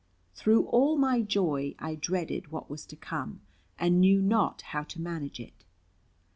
Through all my joy I dreaded what was to come, and knew not how to manage it.